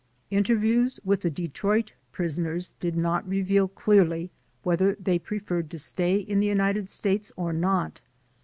Interviews with the Detroit prisoners did not reveal clearly whether they preferred to stay in the United States or not.